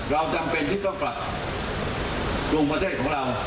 เราจำเป็นคิดต้องกลับตรงประเทศของเรา